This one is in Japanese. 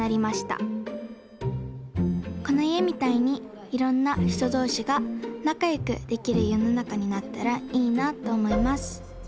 このいえみたいにいろんなひとどうしがなかよくできるよのなかになったらいいなとおもいます